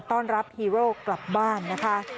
ต้อนรับฮีโร่กลับบ้านนะคะ